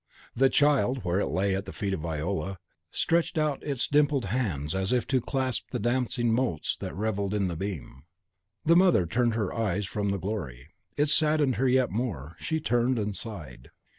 The child, where it lay at the feet of Viola, stretched out its dimpled hands as if to clasp the dancing motes that revelled in the beam. The mother turned her eyes from the glory; it saddened her yet more. She turned and sighed.